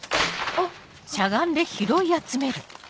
あっ。